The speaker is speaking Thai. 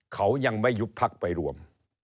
เขายังไม่ยุบพักไปรวม